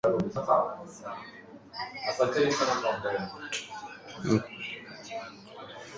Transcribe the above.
mikono Baada ya kusafiri kwa jumla hatimaye